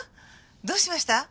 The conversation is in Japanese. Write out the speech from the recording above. どうしました？